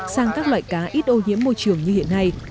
sang các loại cá ít ô nhiễm môi trường như hiện nay